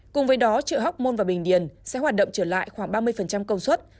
cùng với đó chợ hóc môn và bình điền sẽ hoạt động trở lại khoảng ba mươi công suất